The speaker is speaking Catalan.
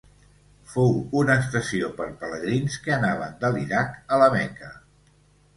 Fou una estació per pelegrins que anaven de l'Iraq a la Meca.